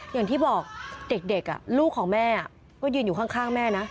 อย่างที่บอกเด็กลูกของแม่ก็ยืนอยู่ข้างแม่นะ